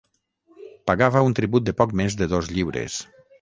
Pagava un tribut de poc més de dos lliures.